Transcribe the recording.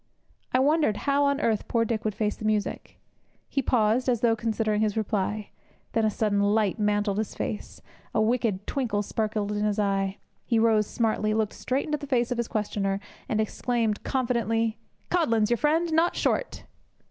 I wondered how on earth poor Dick would face the music. He paused, as though considering his reply. Then a sudden light mantled his face. A wicked twinkle sparkled in his eye. He rose smartly, looked straight into the face of his questioner, and exclaimed confidently: 'Codlin's your friend, not Short!'